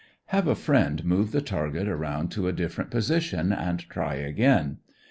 Have a friend move the target around to a different position, and try again.